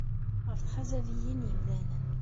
Ɣef txazabiyin n yimdanen.